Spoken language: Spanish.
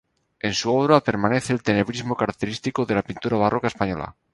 En su obra permanece el tenebrismo característico de la pintura barroca española.